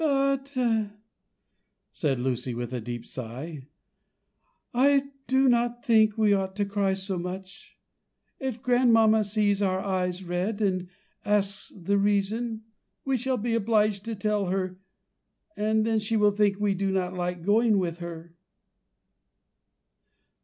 But," said Lucy, with a deep sigh, "I do not think we ought to cry so much; if grandmamma sees our eyes red, and asks the reason, we shall be obliged to tell her, and then she will think we do not like going with her."